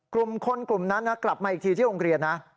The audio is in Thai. กลุ่มคนกลุ่มนั้นกลับมาอีกทีที่โรงเรียนนะ